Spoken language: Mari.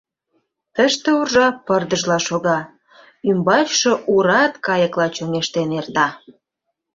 Тыште уржа пырдыжла шога, ӱмбачше урат кайыкла чоҥештен эрта.